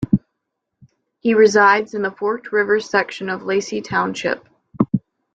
He resides in the Forked River section of Lacey Township.